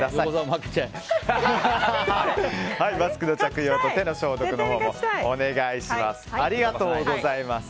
マスクの着用と手の消毒もお願いします。